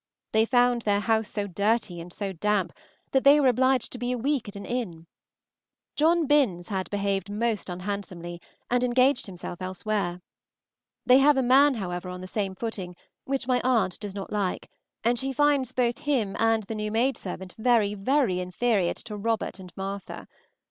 They found their house so dirty and so damp that they were obliged to be a week at an inn. John Binns had behaved most unhandsomely, and engaged himself elsewhere. They have a man, however, on the same footing, which my aunt does not like, and she finds both him and the new maid servant very, very inferior to Robert and Martha.